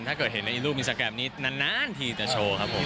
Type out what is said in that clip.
ถ้าเกิดเห็นในอีรูปอินสตาแกรมนี้นานทีจะโชว์ครับผม